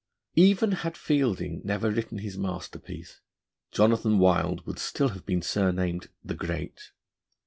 Even had Fielding never written his masterpiece, Jonathan Wild would still have been surnamed 'The Great.'